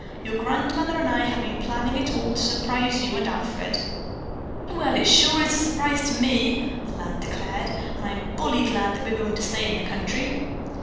"Your grandmother and I have been planning it all to surprise you and Alfred." "Well, it sure is a surprise to me," the lad declared, "and I'm bully glad that we're going to stay in the country."